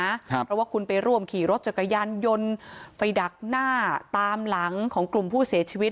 เพราะว่าคุณไปร่วมขี่รถจักรยานยนต์ไปดักหน้าตามหลังของกลุ่มผู้เสียชีวิต